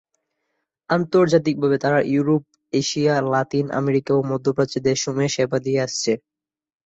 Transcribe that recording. আন্তর্জাতিকভাবে তারা Europe, Asia, Latin America ও মধ্যপ্রাচ্যের দেশসমূহে সেবা দিয়ে আসছে।